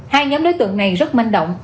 hai nhóm đối tượng này rất manh động